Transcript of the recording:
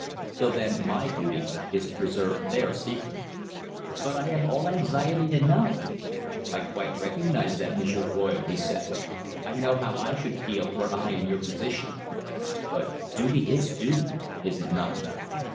Till then, my duty is to preserve their secret." "But I am all anxiety to know." "I quite recognise that, M'sieur Royle," he said. "I know how I should feel were I in your position. But duty is duty, is it not?"